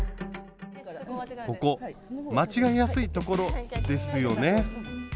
ここ間違えやすいところですよね？